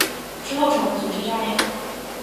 之后成为足球教练。